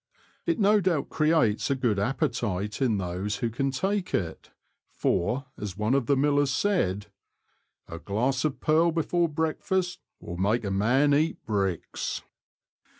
It no doubt creates a good appetite in those who can take it, for, as one of the millers said, "A glass of purl before breakfast will make a man eat bricks.'